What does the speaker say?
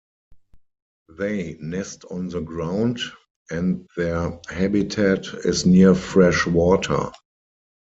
They nest on the ground, and their habitat is near fresh water.